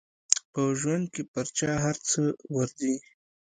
په ژوند کې پر چا هر څه ورځي.